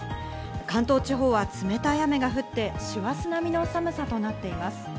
関東地方は冷たい雨が降って４月並みの寒さとなっています。